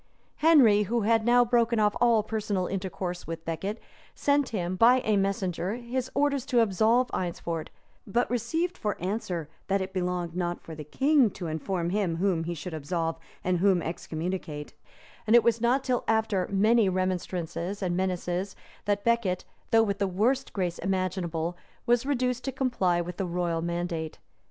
Henry, who had now broken off all personal intercourse with Becket, sent him, by a messenger, his orders to absolve Eynsford; but received for answer, that it belonged not for the king to inform him whom he should absolve and whom excommunicate; and it was not till after many remonstrances and menaces that Becket, though with the worst grace imaginable, was induced to comply with the royal mandate.